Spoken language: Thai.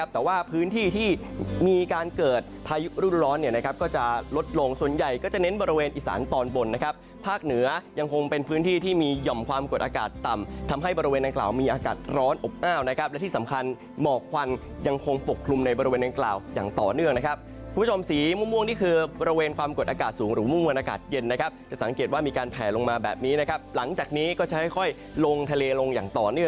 ทำให้บริเวณตอนกลางประเทศไทยมีอากาศร้อนอบน่าวนะครับและที่สำคัญหมอกควันยังคงปกครุมในบริเวณตอนกลางประเทศไทยอย่างต่อเนื่องนะครับคุณผู้ชมสีม่วงนี่คือบริเวณความกดอากาศสูงหรือว่ามวลอากาศเย็นนะครับจะสังเกตว่ามีการแผลลงมาแบบนี้นะครับหลังจากนี้ก็จะค่อยลงทะเลลงอย่างต่อเ